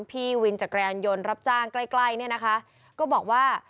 พี่วินจักรยานยนต์รับจ้างใกล้ใกล้เนี่ยนะคะก็บอกว่า